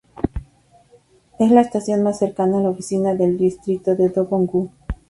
Es la estación más cercana a la oficina del distrito de Dobong-gu.